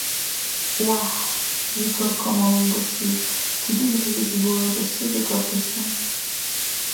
– ВяхӀ, – викӀар Камалул Башир, – чиди лихӀилизи буралра се декӀардеша?